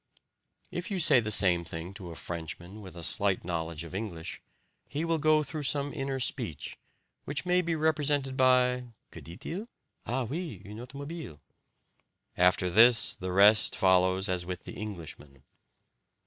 If you say the same thing to a Frenchman with a slight knowledge of English he will go through some inner speech which may be represented by "Que dit il? Ah, oui, une automobile!" After this, the rest follows as with the Englishman.